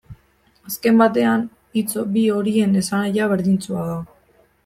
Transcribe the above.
Azken batean, hitz bi horien esanahia berdintsua da.